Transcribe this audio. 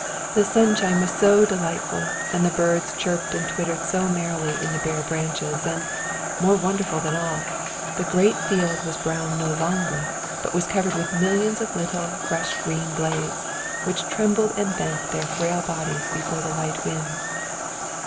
The sunshine was so delightful, and the birds chirped and twittered so merrily in the bare branches, and, more wonderful than all, the great field was brown no longer, but was covered with millions of little, fresh green blades, which trembled and bent their frail bodies before the light wind.